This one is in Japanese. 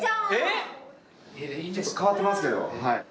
ちょっと変わってますけど。